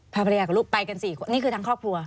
พาภรรยากับลูกไปกัน๔คนนี่คือทั้งครอบครัว